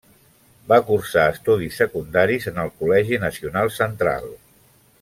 Va cursar estudis secundaris en el Col·legi Nacional Central.